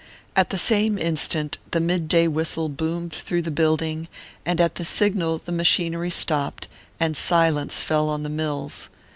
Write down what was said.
At the same instant the midday whistle boomed through the building, and at the signal the machinery stopped, and silence fell on the mills.